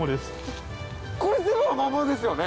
これ全部アマモですよね！